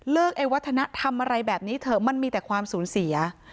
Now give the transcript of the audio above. ไอ้วัฒนธรรมอะไรแบบนี้เถอะมันมีแต่ความสูญเสีย